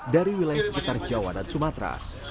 dari wilayah sekitar jawa dan sumatera